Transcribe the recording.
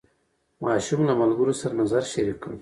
ماشوم له ملګرو سره نظر شریک کړ